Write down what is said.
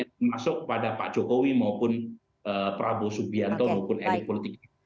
termasuk kepada pak jokowi maupun prabowo subianto maupun elit politik